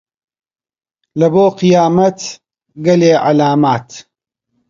لەبۆ قیامەت گەلێ عەلامات